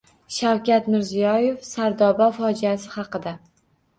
Shavkat Mirziyoyev — Sardoba fojiasi haqida